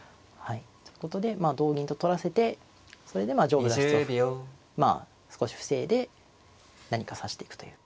ということでまあ同銀と取らせてそれでまあ上部脱出をまあ少し防いで何か指していくという。